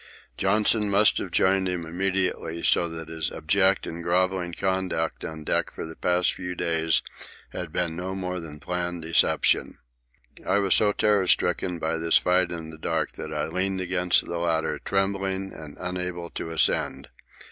Johnson must have joined him immediately, so that his abject and grovelling conduct on deck for the past few days had been no more than planned deception. I was so terror stricken by this fight in the dark that I leaned against the ladder, trembling and unable to ascend.